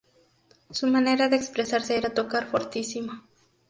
Su manera de expresarse era tocar fortísimo.